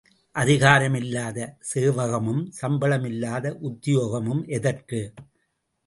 அதிகாரம் இல்லாத சேவகமும் சம்பளம் இல்லாத உத்தியோகமும் எதற்கு?